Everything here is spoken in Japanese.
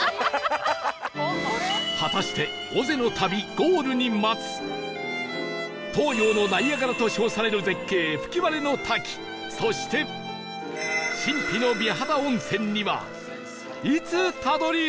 果たして尾瀬の旅ゴールに待つ東洋のナイアガラと称される絶景吹割の滝そして神秘の美肌温泉にはいつたどり着くのか？